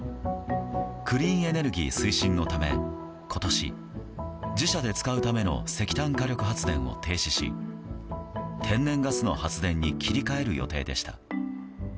クリーンエネルギー推進のため今年、自社で使うための石炭火力発電を停止し天然ガスの発電に切り替える予定でした。